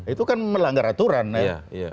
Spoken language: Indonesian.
itu kan melanggar aturan ya